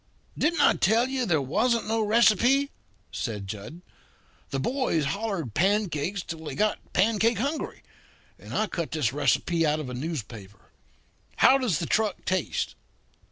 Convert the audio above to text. "Didn't I tell you there wasn't no receipt?" said Jud. "The boys hollered pancakes till they got pancake hungry, and I cut this recipe out of a newspaper. How does the truck taste?"